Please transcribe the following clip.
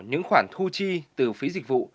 những khoản thu chi từ phí dịch vụ